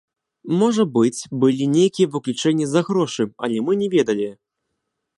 Можа быць, былі нейкія выключэнні за грошы, але мы не ведалі.